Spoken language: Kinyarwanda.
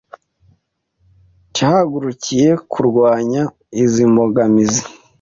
cyahagurukiye kurwanya izi mbogamizi